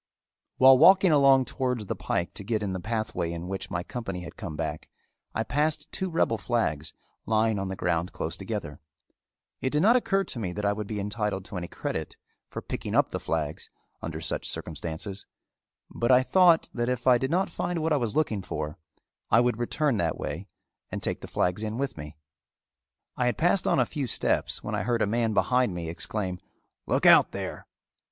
While walking along towards the pike to get in the pathway in which my company had come back, I passed two rebel flags lying on the ground close together. It did not occur to me that I would be entitled to any credit for picking up the flags under such circumstances, but I thought that if I did not find what I was looking for I would return that way and take the flags in with me. I had passed on a few steps when I heard a man behind me exclaim, "Look out, there!"